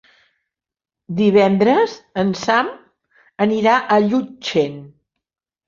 Divendres en Sam anirà a Llutxent.